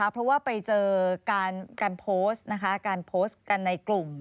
เพราะว่าไปเจอการโพสต์กันในกลุ่ม